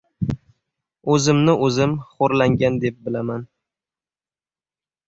O‘zimni o‘zim xo‘rlangan deb bilaman.